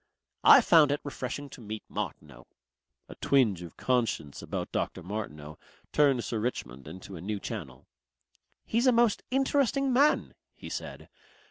"I found it refreshing to meet Martineau." A twinge of conscience about Dr. Martineau turned Sir Richmond into a new channel. "He's a most interesting man," he said.